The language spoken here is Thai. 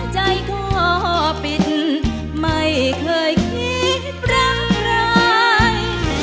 ใจขอปิดไม่เคยคิดรั้งร้าย